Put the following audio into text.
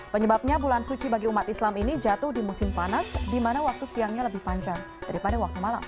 penyebabnya bulan suci bagi umat islam ini jatuh di musim panas di mana waktu siangnya lebih panjang daripada waktu malam